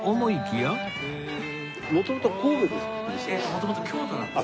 もともと京都なんです。